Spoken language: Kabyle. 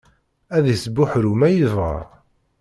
Ad isbuḥru ma yebɣa.